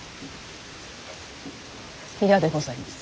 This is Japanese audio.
嫌でございます。